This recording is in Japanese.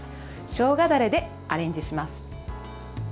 しょうがだれでアレンジします。